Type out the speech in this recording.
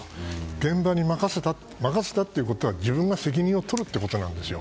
現場に任せたっていうことは自分が責任を取るということなんですよ。